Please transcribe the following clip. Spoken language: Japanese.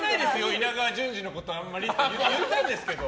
稲川淳二のことあんまりって言ったんですけど。